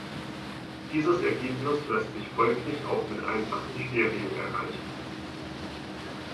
Dieses Ergebnis lässt sich folglich auch mit einfachem Stereo erreichen.